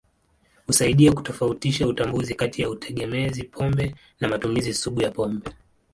Husaidia kutofautisha utambuzi kati ya utegemezi pombe na matumizi sugu ya pombe.